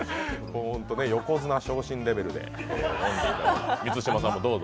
ホント、横綱昇進レベルで。